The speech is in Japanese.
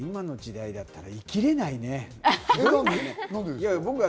今の時代だったら生きれないね、俺は。